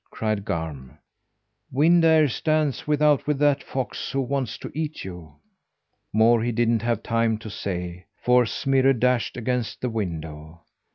cried Garm. "Wind Air stands without with that fox who wants to eat you." More he didn't have time to say, for Smirre dashed against the window.